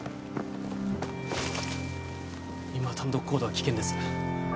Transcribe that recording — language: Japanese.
今は単独行動は危険です